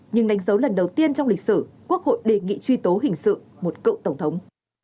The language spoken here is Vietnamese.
nhưng đánh dấu lần đầu tiên trong lịch sử quốc hội đề nghị truy tố hình sự một cựu tổng thống